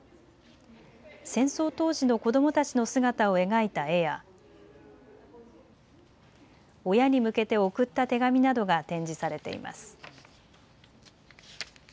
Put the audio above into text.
戦争当時の子どもたちの姿を描いた絵や、親に向けて送った手紙などが展示されています。